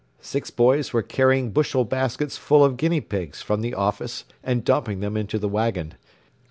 Six boys were carrying bushel baskets full of guinea pigs from the office and dumping them into the wagon.